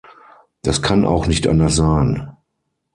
Das kann auch nicht anders sein.